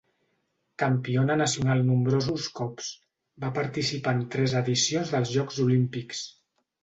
Campiona nacional nombrosos cops, va participar en tres edicions dels Jocs Olímpics.